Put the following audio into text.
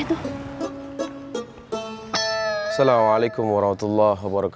assalamualaikum warahmatullahi wabarakatuh